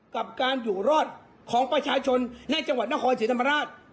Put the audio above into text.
กับการอยู่รอดของประชาชนในจังหวัดนครศรีธรรมราช